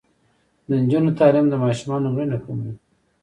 د نجونو تعلیم د ماشومانو مړینه کموي.